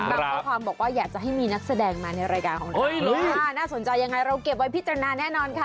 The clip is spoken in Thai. ข้อความบอกว่าอยากจะให้มีนักแสดงมาในรายการของเราน่าสนใจยังไงเราเก็บไว้พิจารณาแน่นอนค่ะ